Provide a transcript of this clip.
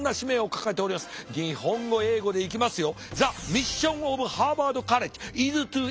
日本語英語でいきますよ。